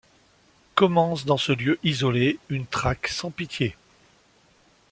Commence dans ce lieu isolé une traque sans pitié...